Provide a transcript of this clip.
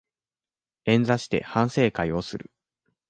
円座して反省会をする